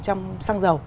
trong xăng dầu